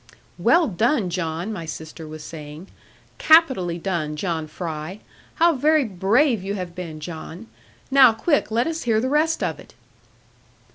'Well done, John,' my sister was saying, 'capitally done, John Fry. How very brave you have been, John. Now quick, let us hear the rest of it.'